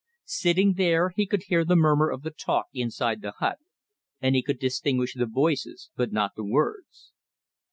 Sitting there he could hear the murmur of the talk inside the hut, and he could distinguish the voices but not the words.